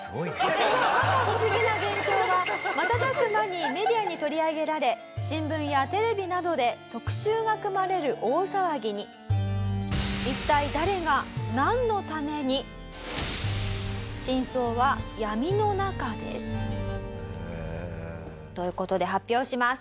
この摩訶不思議な現象は瞬く間にメディアに取り上げられ新聞やテレビなどで特集が組まれる大騒ぎに。という事で発表します。